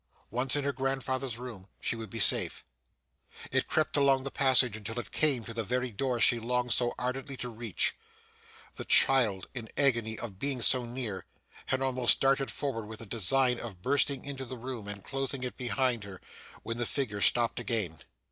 Once in her grandfather's room, she would be safe. It crept along the passage until it came to the very door she longed so ardently to reach. The child, in the agony of being so near, had almost darted forward with the design of bursting into the room and closing it behind her, when the figure stopped again.